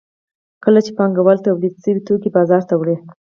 کله چې پانګوال تولید شوي توکي بازار ته وړي